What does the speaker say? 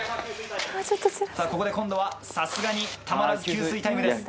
ここで今度はさすがにたまらず給水タイムです。